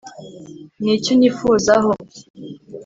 niki unyifuzaho